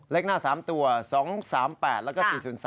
เลขหน้า๓ตัว๒๓๘แล้วก็๔๐๓